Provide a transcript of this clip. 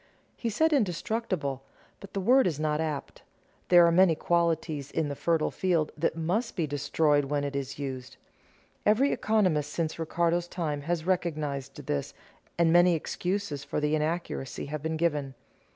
He said "indestructible," but the word is not apt. There are many qualities in the fertile field that must be destroyed when it is used. Every economist since Ricardo's time has recognized this, and many excuses for the inaccuracy have been given.